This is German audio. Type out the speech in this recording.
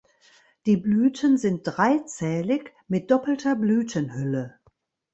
Die Blüten sind dreizählig mit doppelter Blütenhülle.